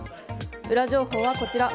ウラ情報はこちら。